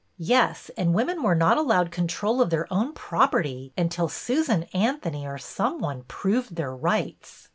Yes, and women were not allowed control of their own property, until Susan Anthony or some one proved their rights.